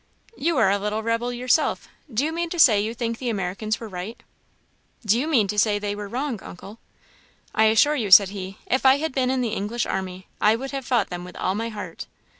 "You are a little rebel yourself. Do you mean to say you think the Americans were right?" "Do you mean to say you think they were wrong, uncle?" "I assure you," said he, "if I had been in the English army, I would have fought them with all my heart."